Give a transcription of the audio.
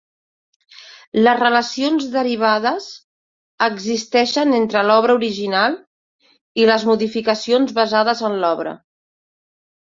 Les relacions derivades existeixen entre l'obra original i les modificacions basades en l'obra.